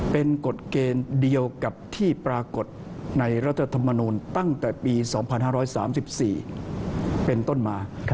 เป็นกฎเกณฑ์เดียวกับที่ปรากฏในรัฐธรรมนูลตั้งแต่ปี๒๕๓๔เป็นต้นมา